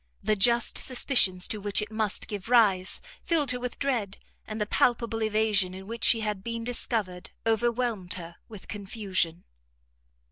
The just suspicions to which it must give rise filled her with dread, and the palpable evasion in which she had been discovered, overwhelmed, her with confusion.